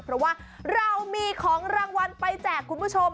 เพราะว่าเรามีของรางวัลไปแจกคุณผู้ชม